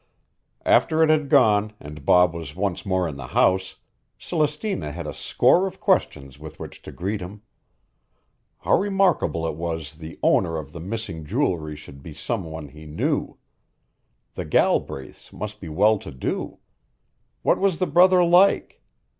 After it had gone and Bob was once more in the house, Celestina had a score of questions with which to greet him. How remarkable it was that the owner of the missing jewelry should be some one he knew! The Galbraiths must be well to do. What was the brother like?